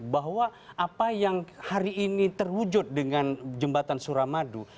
bahwa apa yang hari ini terwujud dengan jembatan suramadu